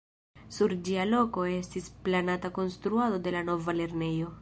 Sur ĝia loko estis planata konstruado de la nova lernejo.